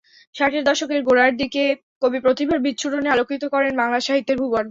ষাটের দশকের গোড়ায় দিকে কবি প্রতিভার বিচ্ছুরণে আলোকিত করেন বাংলা সাহিত্যের ভুবন।